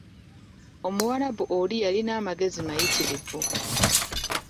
Omuwarabu oli yalina amagezi mayitirivu